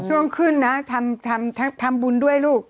ช่องขันส์นะทำบุญด้วยลูก